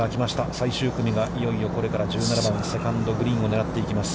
最終組が、いよいよこれから１７番、セカンド、グリーンを狙っていきます。